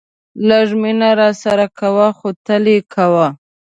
لږ مینه راسره کوه خو تل یې کوه.